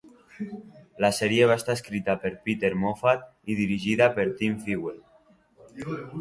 La sèrie va ser escrita per Peter Moffat i dirigida per Tim Fywell.